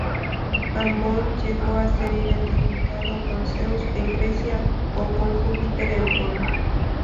Amón llegó a ser identificado con Zeus en Grecia o con Júpiter en Roma.